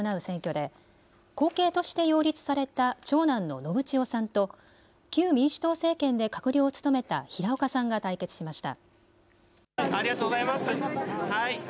防衛大臣などを務めた岸信夫氏の辞職に伴う選挙で後継として擁立された長男の信千世さんと旧民主党政権で閣僚を務めた平岡さんが対決しました。